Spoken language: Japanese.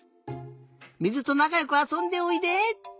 水となかよくあそんでおいで！